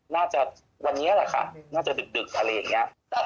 น่าจะวันนี้แหละค่ะน่าจะดึกอะไรอย่างนี้